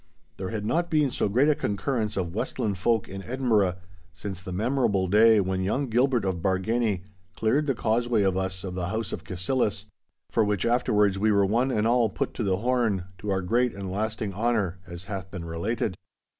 There had not been so great a concurrence of Westland folk in Edinburgh, since the memorable day when young Gilbert of Bargany cleared the causeway of us of the house of Cassillis—for which afterwards we were one and all put to the horn, to our great and lasting honour, as hath been related.